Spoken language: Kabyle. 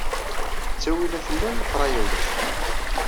Ttawilat llan, leqraya ulac.